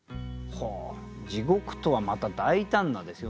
ほう「地獄」とはまた大胆なですよね。